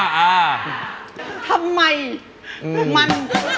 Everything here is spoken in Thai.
จะด่าทำไม